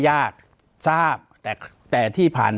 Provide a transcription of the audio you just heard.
ปากกับภาคภูมิ